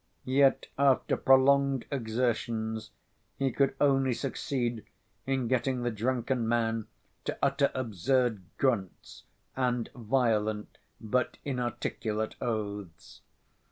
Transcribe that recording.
Yet, after prolonged exertions, he could only succeed in getting the drunken man to utter absurd grunts, and violent, but inarticulate oaths.